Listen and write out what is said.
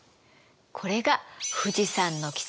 これが富士山の奇跡